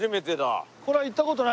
これは行った事ないね